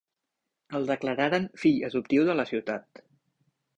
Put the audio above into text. El declararen fill adoptiu de la ciutat.